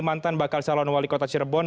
mantan bakal calon wali kota cirebon